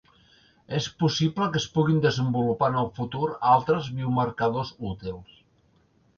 És possible que es puguin desenvolupar en el futur altres biomarcadors útils.